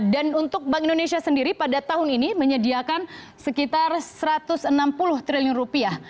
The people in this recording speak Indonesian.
dan untuk bank indonesia sendiri pada tahun ini menyediakan sekitar satu ratus enam puluh triliun rupiah